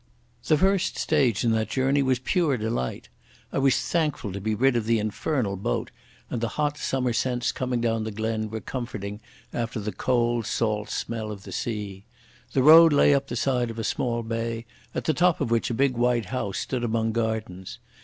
The first stage in that journey was pure delight. I was thankful to be rid of the infernal boat, and the hot summer scents coming down the glen were comforting after the cold, salt smell of the sea. The road lay up the side of a small bay, at the top of which a big white house stood among gardens.